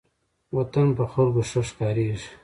وطن په خلکو ښه ښکاریږي.